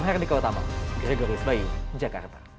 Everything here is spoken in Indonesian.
meherdika utama gregory sbayu jakarta